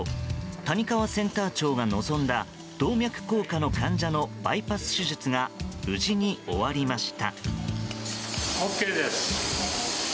谷川センター長が臨んだ動脈硬化の患者のバイパス手術が無事に終わりました。